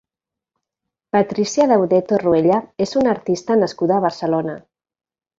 Patrícia Dauder Torruella és una artista nascuda a Barcelona.